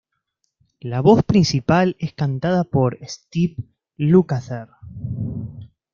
La voz principal es cantada por Steve Lukather.